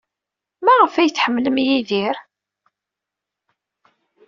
Maɣef ay tḥemmlem Yidir?